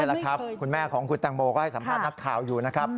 แหละครับคุณแม่ของคุณแตงโมก็ให้สัมภาษณ์นักข่าวอยู่นะครับ